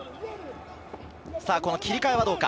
切り替えはどうか？